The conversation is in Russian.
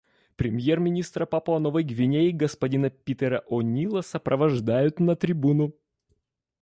Премьер-министра Папуа-Новой Гвинеи господина Питера О'Нила сопровождают на трибуну.